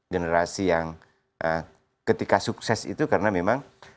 generasi yang ketika sukses itu karena memang